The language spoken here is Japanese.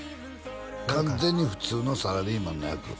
完全に普通のサラリーマンの役？